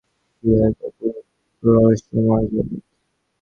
জানালার ওপাশে আলো-আঁধারের কী এক অপূর্ব রহস্যময় জগৎ!